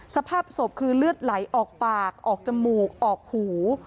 สภาพศพคือเลือดไหลออกปากออกจมูกออกหู